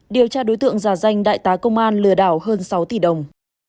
điều tra đối tượng giả danh đại tá công an lừa đảo hơn sáu tỷ đồng